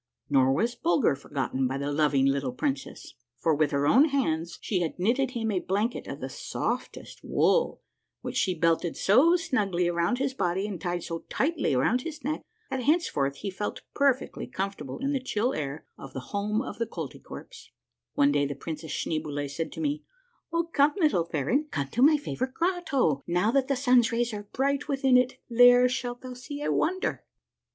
Nor was Bulger forgotten by the loving little Princess, for with her own hands she had knitted him a blanket of the soft est wool, which she belted so snugly around his body and tied so tightly around his neck that henceforth he felt per fectly comfortable in the chill air of the home of the Kolty kwerps. One day the Princess Schneeboule said to me^, —" Oh, come, little baron, come to my favorite grotto, now that the sun's rays are bright within it ; there shalt thou see a wonder."